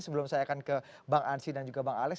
sebelum saya akan ke bang ansy dan juga bang alex